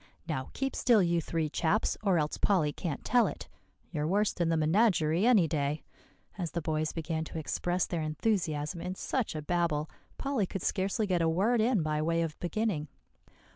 Now, keep still, you three chaps, or else Polly can't tell it. You're worse than the menagerie any day," as the boys began to express their enthusiasm in such a babel, Polly could scarcely get a word in by way of beginning.